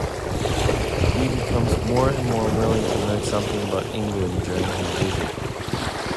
He becomes more and more willing to learn something about England during his visit.